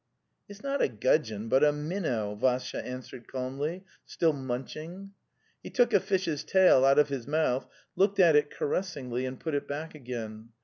'It's not a gudgeon, but a minnow," Vassya an swered calmly, still munching. He took a fish's tail out of his mouth, looked at it caressingly, and put it back again.